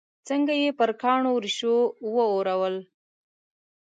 څنګه یې پر کاڼو ریشو واورول.